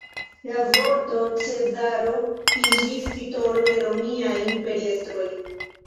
La vorto cezaro iĝis titolo de romiaj imperiestroj.